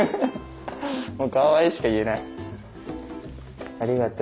もうかわいいしか言えない。